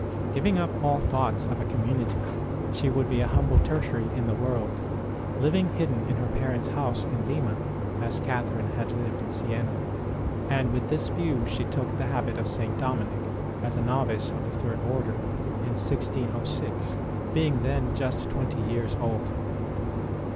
Giving up all thoughts of a community, she would be a humble Tertiary in the world, living hidden in her parents house in Lima, as Catherine had lived in Siena ; and with this view she took the habit of St. Dominic, as a novice of the Third Order, in 1606, being then just twenty years old.